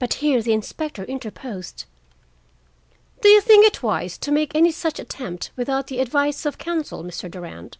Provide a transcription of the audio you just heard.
But here the inspector interposed. "Do you think it wise to make any such attempt without the advice of counsel, Mr. Durand?"